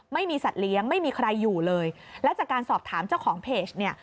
ไม่มีสัตว์เลี้ยงไม่มีใครอยู่เลยและจากการสอบถามเจ้าของเพจเนี่ย